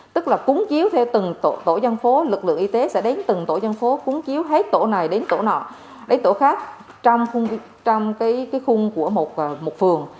tức là cuốn chiếu theo từng tổ dân phố lực lượng y tế sẽ đến từng tổ dân phố cuốn chiếu hết tổ này đến tổ nọ đến tổ khác trong khung của một phường